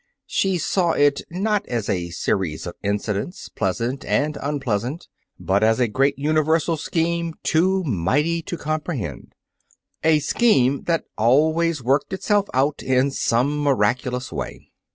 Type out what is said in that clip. She saw it, not as a series of incidents, pleasant and unpleasant, but as a great universal scheme too mighty to comprehend a scheme that always worked itself out in some miraculous way.